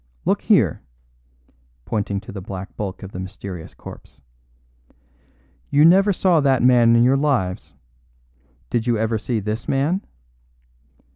Look here!" (pointing to the black bulk of the mysterious corpse) "you never saw that man in your lives. Did you ever see this man?"